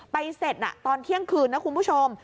เสร็จตอนเที่ยงคืนนะคุณผู้ชม